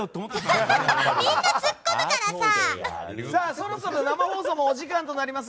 そろそろ生放送もお時間となります。